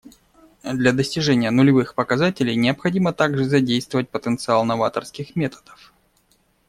Для достижения нулевых показателей необходимо также задействовать потенциал новаторских методов.